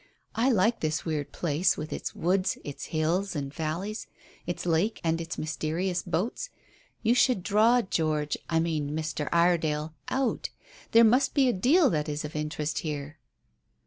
I like this weird place, with its woods, its hills and valleys, its lake and its mysterious boats. You should draw George I mean Mr. Iredale out. There must be a deal that is of interest here."